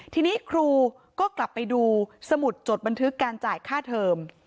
ทีนี้ครูก็กลับไปดูสมุดจดบันทึกการจ่ายค่าเทอม